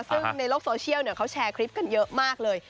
ซึ่งในโลกโซเชียลเขาแชร์คลิปกันเยอะมากเลย